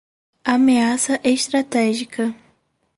ameaça estratégica